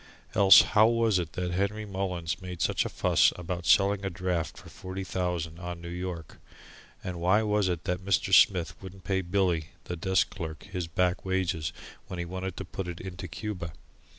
Else how was it that Henry Mullins made such a fuss about selling a draft for forty thousand on New York? And why was it that Mr. Smith wouldn't pay Billy, the desk clerk, his back wages when he wanted to put it into Cuba?